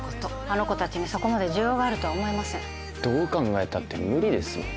・あの子たちにそこまで需要があるとは思えません・どう考えたって無理ですよ